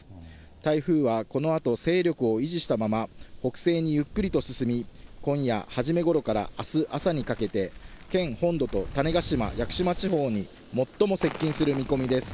台風はこのあと勢力を維持したまま北西にゆっくりと進み、今夜初めごろからあす朝にかけて、県本土と種子島・屋久島地方に最も接近する見込みです。